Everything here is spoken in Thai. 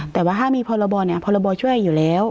แต่ว่าถ้ามีพรบพรบช่วยอยู่แล้ว